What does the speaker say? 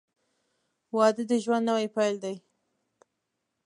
• واده د ژوند نوی پیل دی.